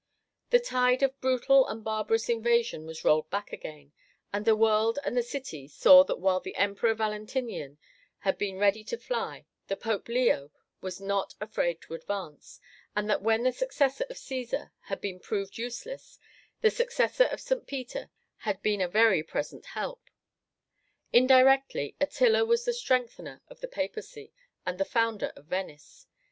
The tide of brutal and barbarous invasion was rolled back again, and the world and the city saw that while the Emperor Valentinian had been ready to fly, the Pope Leo was not afraid to advance, and that "when the successor of Cæsar had been proved useless, the successor of St. Peter had been a very present help." Indirectly Attila was the strengthener of the Papacy, and the founder of Venice.